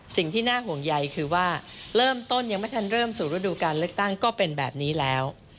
สิ่งที่น่าห่วงใยคือว่าเริ่มต้นยังไม่ทันเริ่มสู่ฤดูการเลือกตั้งก็เป็นแบบนี้แล้ว